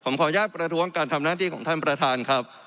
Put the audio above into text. ขออนุญาตประท้วงการทำหน้าที่ของท่านประธานครับ